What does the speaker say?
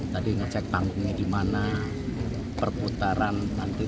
tadi ngecek panggungnya di mana perputaran nanti